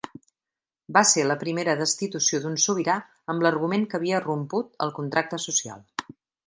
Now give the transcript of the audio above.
Va ser la primera destitució d'un sobirà amb l'argument que havia romput el contracte social.